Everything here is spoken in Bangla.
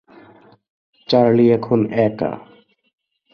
চার্লি এখন একা।